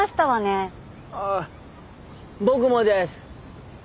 あっ僕もです。